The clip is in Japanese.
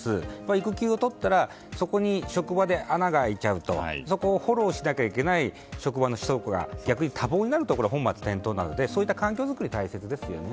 育休をとったら職場に穴が開いちゃうとそこをフォローしなくちゃいけない職場の人らが逆に多忙になると本末転倒なので環境作りが大切ですよね。